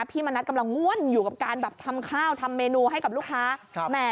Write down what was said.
มณัฐกำลังง่วนอยู่กับการแบบทำข้าวทำเมนูให้กับลูกค้า